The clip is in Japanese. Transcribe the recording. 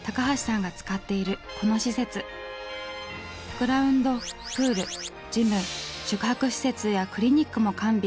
グラウンドプールジム宿泊施設やクリニックも完備。